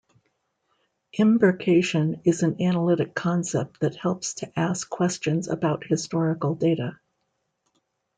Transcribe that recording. "Imbrication" is an analytic concept that helps to ask questions about historical data.